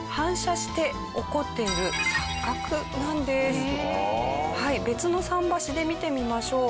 実は別の桟橋で見てみましょう。